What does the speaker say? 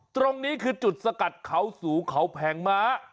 ตรงนี้คือจุดสกัดเขาสูงเขาแผงม้า